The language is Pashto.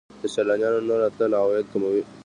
د سیلانیانو نه راتلل عواید کموي.